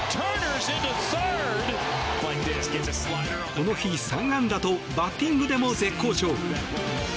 この日３安打とバッティングでも絶好調。